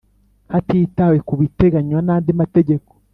Hatitawe ku biteganywa n andi mategeko